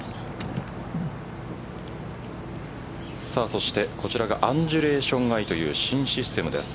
そしてこちらがアンジュレーション・アイという新システムです。